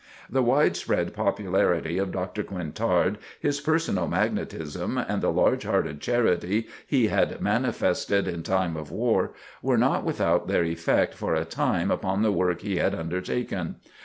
The wide spread popularity of Dr. Quintard, his personal magnetism and the large hearted charity he had manifested in time of war, were not without their effect for a time upon the work he had undertaken.